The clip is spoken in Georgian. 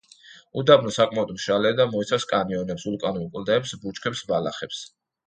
უდაბნო საკმაოდ მშრალია და მოიცავს კანიონებს, ვულკანურ კლდეებს, ბუჩქებს, ბალახებს.